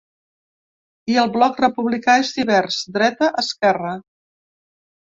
I el bloc republicà és divers: dreta, esquerra.